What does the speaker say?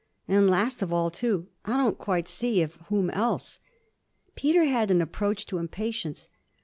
And last of all too. I don't quite see of whom else.' Peter had an approach to impatience.